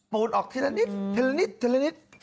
ปูลออกแท็ลละนิดแท็ลละนิด